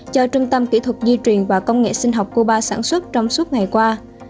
do trung tâm kỹ thuật di truyền và công nghệ sinh học cuba sản xuất trong suốt ngày qua